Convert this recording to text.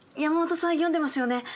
山本さん読んでますよね？